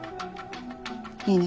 いいね？